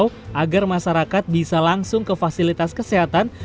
dan menghimbau agar masyarakat bisa langsung ke fasilitas kesehatan